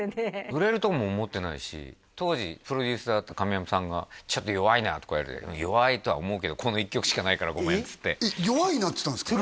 売れるとも思ってないし当時プロデューサーだった亀山さんが「ちょっと弱いな」とか言われて弱いとは思うけどこの１曲しかないからごめんっつって「弱いな」って言ったんですか？